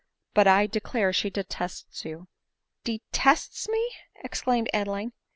But I declare she detests you !" V Detests me ?" exclaimed Adeline.